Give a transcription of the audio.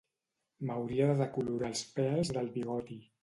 M'hauria de decolorar els pèls del bigoti